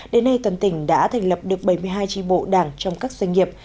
đến nay toàn tỉnh đã thành lập được bảy mươi hai tri bộ đảng trong các doanh nghiệp